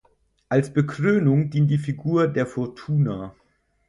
Als Bekrönung dient die Figur der Fortuna.